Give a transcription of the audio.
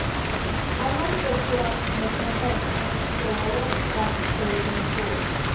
Unlike the sit-up, in a proper crunch, the lower back stays on the floor.